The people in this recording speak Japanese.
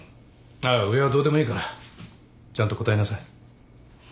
あっ上はどうでもいいからちゃんと答えなさい。